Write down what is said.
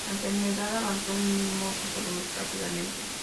La enfermedad avanzó y minó su salud rápidamente.